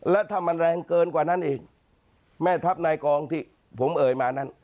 แล้วถ้ามันแรงเกินกว่านั้นอีกแม่ทัพนายกองที่ผมเอ่ยมานั้น